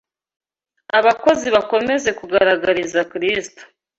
Abakozi bakomeze kugaragariza Kristo